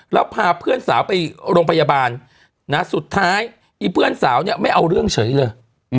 แล้วพาเพื่อนสาวไปโรงพยาบาลสุดท้ายอีเพื่อนสาวเนี่ยไม่เอาเรื่องเฉยเลย